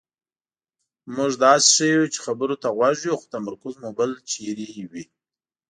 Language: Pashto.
مونږ داسې ښیو چې خبرو ته غوږ یو خو تمرکز مو بل چېرې وي.